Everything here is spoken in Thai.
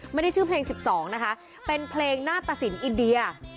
ไม่ได้ชื่อเพลง๑๒นะคะเป็นเพลงหน้าตะสินอินเดีย